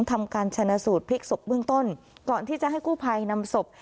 ทำการชนะสูตรพลิกศพเบื้องต้นก่อนที่จะให้กู้ภัยนำศพ